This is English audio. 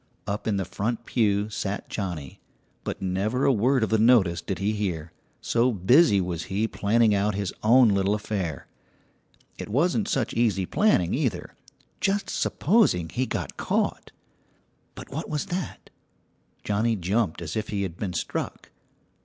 Up in the front pew sat Johnnie, but never a word of the notice did he hear, so busy was he planning out his own little affair. It wasn't such easy planning either, just supposing he got caught! But what was that? Johnnie jumped as if he had been struck.